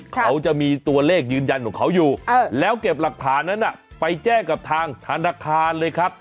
เขาจะมีตัวเลขยืนยันของเขาอยู่แล้วเก็บหลักฐานนั้นไปแจ้งกับทางธนาคารเลยครับ